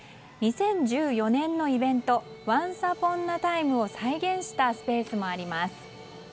２０１４年のイベントワンス・アポン・ア・タイムを再現したスペースもあります。